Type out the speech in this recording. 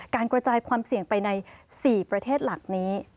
กระจายความเสี่ยงไปใน๔ประเทศหลักนี้